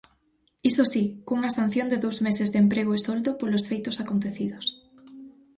Iso si, cunha sanción de dous meses de emprego e soldo polos feitos acontecidos.